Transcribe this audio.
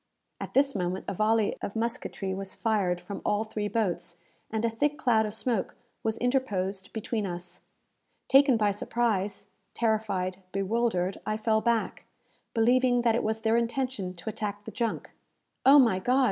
At this moment a volley of musketry was fired from all three boats, and a thick cloud of smoke was interposed between us. Taken by surprise, terrified, bewildered, I fell back, believing that it was their intention to attack the junk. "Oh, my God!"